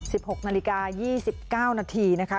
หกนาฬิกายี่สิบเก้านาทีนะคะ